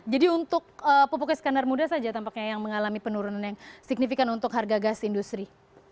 jadi untuk pupuk iskandar muna saja tampaknya yang mengalami penurunan yang signifikan untuk harga gas industri